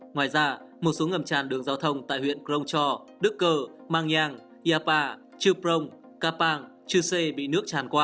ngoài ra một số ngầm tràn đường giao thông tại huyện krongcho đức cờ mangyang yapa chuprong kapang chuse bị nước tràn qua